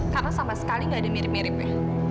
karena sama sekali tidak ada mirip miripnya